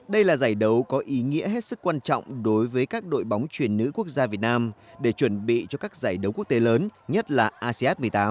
đây là giải đấu có ý nghĩa hết sức quan trọng đối với các đội bóng truyền nữ quốc gia việt nam để chuẩn bị cho các giải đấu quốc tế lớn nhất là asean một mươi tám